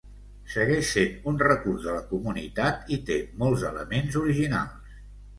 Segueix sent un recurs de la comunitat i té molts elements originals.